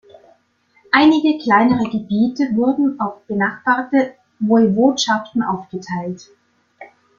Einige kleinere Gebiete wurden auf benachbarte Woiwodschaften aufgeteilt.